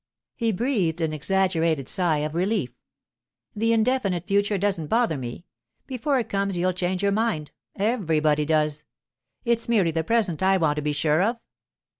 He breathed an exaggerated sigh of relief. 'The indefinite future doesn't bother me. Before it comes you'll change your mind—everybody does. It's merely the present I want to be sure of.